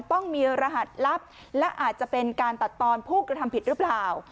ต้องมีรหัสลับและอาจจะเป็นการตัดตอนผู้กระทำผิดหรือเปล่า